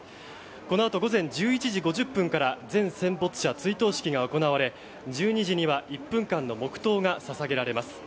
このあと午前１１時５０分から全戦没者追悼式が行われ１２時には１分間の黙祷が捧げられます。